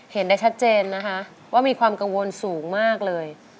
เห็นได้ชัดเจนนะคะว่ามีความกังวลสูงมากเลย